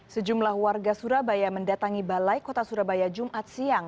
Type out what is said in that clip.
sejumlah warga surabaya mendatangi balai kota surabaya jumat siang